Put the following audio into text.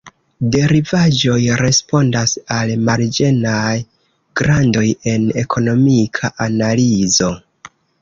Derivaĵoj respondas al marĝenaj grandoj en ekonomika analizo.